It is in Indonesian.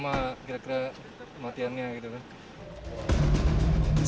apa kira kira kematiannya gitu kan